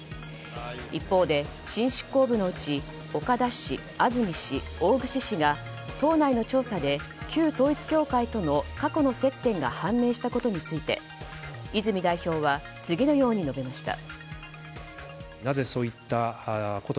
一方で新執行部のうち岡田氏、安住氏、大串氏が党内の調査で旧統一教会との過去の接点が判明したことについて泉代表は、次のように述べました。